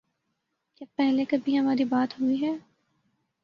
کیا پہلے کبھی ہماری بات ہوئی ہے